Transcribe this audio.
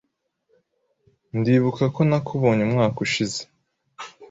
Ndibuka ko nakubonye umwaka ushize.